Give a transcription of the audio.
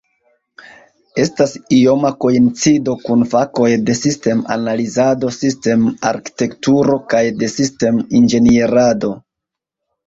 Estas ioma koincido kun fakoj de sistem-analizado, sistem-arkitekturo kaj de sistem-inĝenierado.